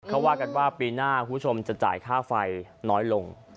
เขาว่ากันว่าปีหน้าคุณผู้ชมจะจ่ายค่าไฟน้อยลง